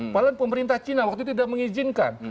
padahal pemerintah cina waktu itu tidak mengizinkan